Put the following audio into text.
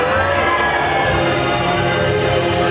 ขอบคุณค่ะ